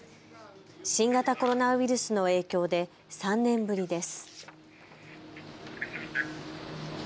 新型コロナウイルスの影響で３年ぶりです。